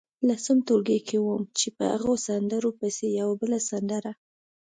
لسم ټولګي کې وم چې په هغو سندرو پسې یوه بله سندره.